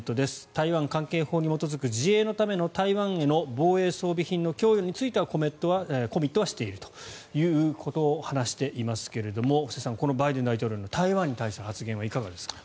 台湾関係法に基づく自衛のための台湾への防衛装備品の供与についてはコミットはしているということを話していますがこのバイデン大統領の台湾に対する発言はいかがですか。